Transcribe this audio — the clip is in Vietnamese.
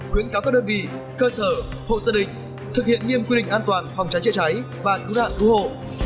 khuyến cáo các đơn vị cơ sở hộ gia đình thực hiện nghiêm quy định an toàn phòng cháy chữa cháy và cứu nạn cứu hộ